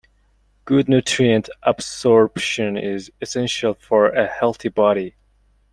Good nutrient absorption is essential for a healthy body.